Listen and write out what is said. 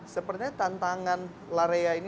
sepertinya tantangan l'area ini